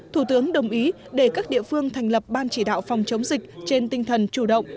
thủ tướng đồng ý để các địa phương thành lập ban chỉ đạo phòng chống dịch trên tinh thần chủ động